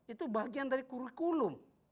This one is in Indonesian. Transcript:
itu bagian dari kurikulum